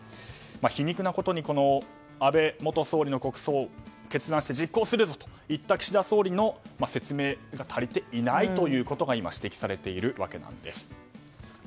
皮肉なことに安倍元総理の国葬を決断して実行するぞ！と言った岸田総理の説明が足りていないと今、指摘されているわけです。